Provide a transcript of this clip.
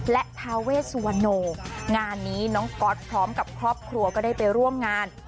และทาเวสวโนงานนี้น้องก๊อตพร้อมกับครอบครัวก็ได้ไปร่วมงาน